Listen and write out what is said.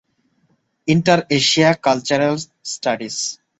Inter-Asia cultural studies.